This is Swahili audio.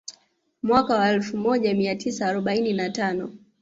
Mwaka wa elfu moja mia tisa arobaini na tano